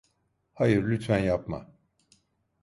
Hayır, lütfen yapma!